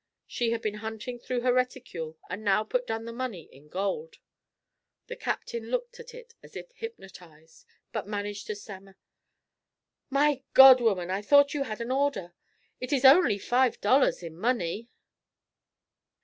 She had been hunting through her reticule and now put down the money in gold. The Captain looked at it as if hypnotized, but managed to stammer, "My God woman, I thought you had an order. It is only $5.00 in money."